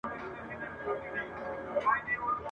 پلار د يوسف عليه السلام د ورسره ملګري کېدو لپاره ژمنه وکړه.